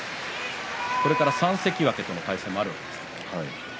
これから３関脇との対戦もあるんですが。